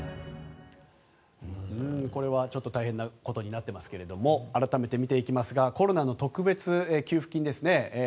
これはちょっと大変なことになってますけど改めて見ていきますがコロナの特別給付金ですね。